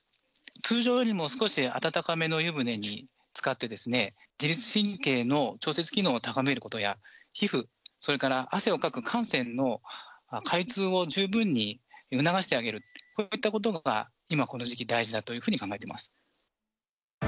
通常よりも少し温かめの湯船につかってですね、自律神経の調節機能を高めることや、皮膚、それから汗をかく汗腺の開通を十分に促してあげる、こういったことが今この時期、大事だというふうに考えてます。